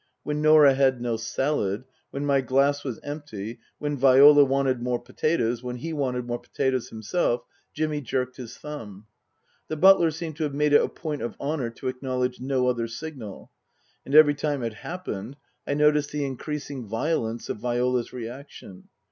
When Norah had no salad, when my glass was empty, when Viola wanted more potatoes, when he wanted more potatoes himself, Jimmy jerked his thumb. The butler seemed to have made it a point of honour to acknowledge no other signal. And every time it happened I noticed the increasing violence of Viola's reaction.